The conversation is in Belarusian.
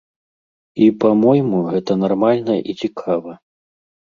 І, па-мойму, гэта нармальна і цікава.